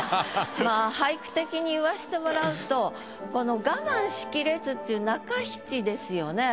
まあ俳句的に言わしてもらうとこの「我慢しきれず」っていう中七ですよね。